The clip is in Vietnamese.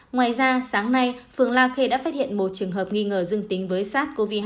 ngoài ra sáng nay phường la khê đã phát hiện một trường hợp nghi ngờ dương tính với sars cov hai